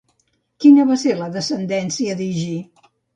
Quina va ser la descendència d'Higí?